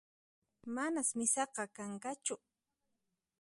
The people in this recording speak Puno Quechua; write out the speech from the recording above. Manas misaqa kanqachu